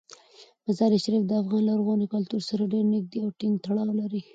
مزارشریف د افغان لرغوني کلتور سره ډیر نږدې او ټینګ تړاو لري.